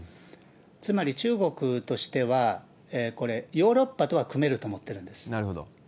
つまり、中国としては、これ、ヨーロッパとは組めると思ってるんなるほど。